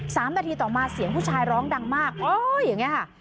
สามนาทีต่อมาเสียงผู้ชายร้องดังมากเอ้ยอย่างเงี้ค่ะ